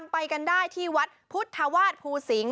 ไปกันได้ที่วัดพุทธวาสภูสิง